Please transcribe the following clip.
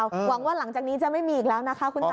หวังว่าหลังจากนี้จะไม่มีอีกแล้วนะคะคุณตา